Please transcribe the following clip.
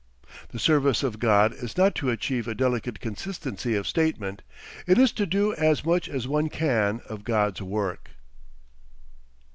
The service of God is not to achieve a delicate consistency of statement; it is to do as much as one can of God's work.